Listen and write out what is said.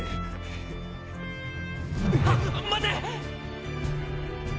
あっ待て！